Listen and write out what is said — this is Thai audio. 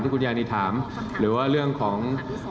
ที่คุณยานิถามหรือว่าเรื่องของ